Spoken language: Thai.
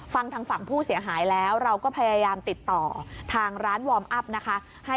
ฟังทางฝั่งผู้เสียหายแล้วเราก็พยายามติดต่อทางร้านวอร์มอัพนะคะ